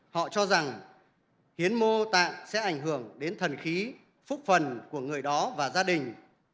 họ cho rằng hiến mô tạng sẽ ảnh hưởng đến thần khí phúc phần của người đó và gia đình